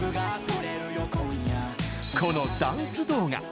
このダンス動画。